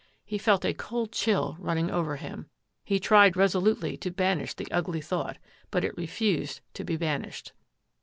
He felt a cold chill running over him. He tried resolutely to banish the ugly thought, but it refused to be banished.